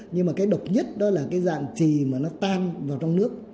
nhưng mà cái độc nhất đó là cái dạng trì mà nó tan vào trong nước